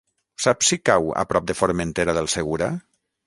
Saps si cau a prop de Formentera del Segura?